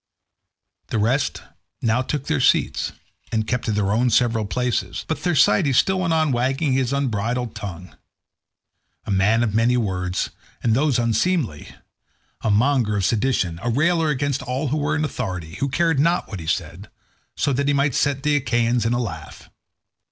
The rest now took their seats and kept to their own several places, but Thersites still went on wagging his unbridled tongue—a man of many words, and those unseemly; a monger of sedition, a railer against all who were in authority, who cared not what he said, so that he might set the Achaeans in a laugh.